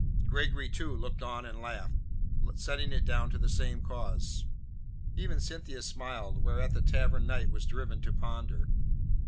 Gregory, too, looked on and laughed, setting it down to the same cause. Even Cynthia smiled, whereat the Tavern Knight was driven to ponder.